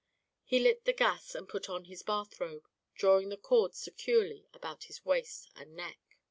He lit the gas and put on his bathrobe, drawing the cords securely about his waist and neck.